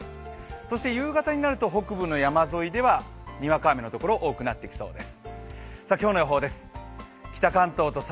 そして夕方になると北部の山沿いでは、にわか雨のところ、多くなってきそうです。